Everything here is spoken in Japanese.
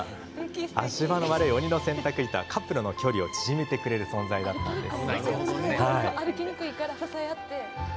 足場の悪い鬼の洗濯板カップルの距離を縮めてくれる存在だったんです。